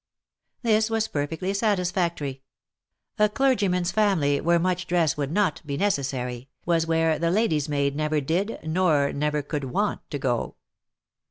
This was perfectly satisfactory. " A clergyman's family, where much dress would not be necessary, was where the lady's maid never did nor never could want to go."